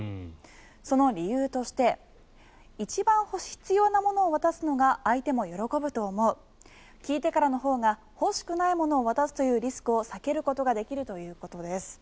その理由として一番必要なものを渡すのが相手も喜ぶと思う聞いてからのほうが欲しくないものを渡すというリスクを避けることができるということです。